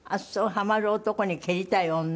『ハマる男に蹴りたい女』？